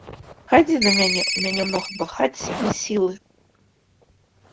Хадзі да мяне, у мяне многа багацця і сілы.